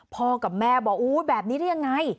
พ่อกับแม่บอกอู้แบบนี้ได้ยังไง